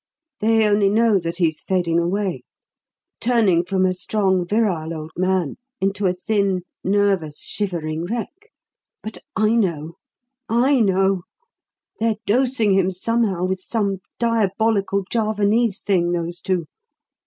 They only know that he's fading away turning from a strong, virile old man into a thin, nervous, shivering wreck. But I know! I know! They're dosing him somehow with some diabolical Javanese thing, those two.